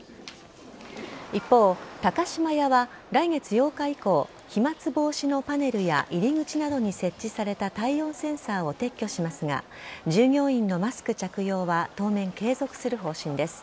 一方、高島屋は来月８日以降飛沫防止のパネルや入口などに設置された体温センサーを撤去しますが従業員のマスク着用は当面継続する方針です。